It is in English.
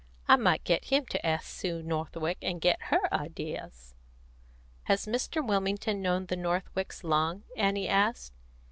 I might get him to ask Sue Northwick, and get her ideas." "Has Mr. Wilmington known the Northwicks long?" Annie asked.